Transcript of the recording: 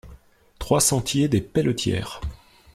trois sentier des Pelletières